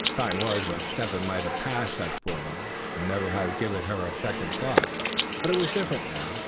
Time was when Step Hen might have passed that poor mother, and never have given her a second thought; but it was different now.